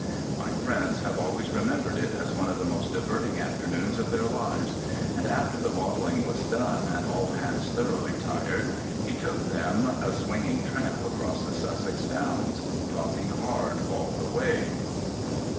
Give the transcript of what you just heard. My friends have always remembered it as one of the most diverting afternoons of their lives; and after the bottling was done and all hands thoroughly tired, he took them a swinging tramp across the Sussex Downs, talking hard all the way.